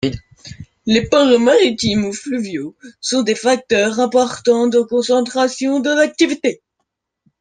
Les ports maritimes ou fluviaux sont des facteurs importants de concentration de l'activité.